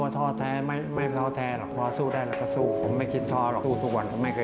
ส่วนเราเจอก็ว่าทอแท้ไม่ถอแท้